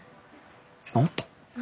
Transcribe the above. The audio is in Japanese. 治った。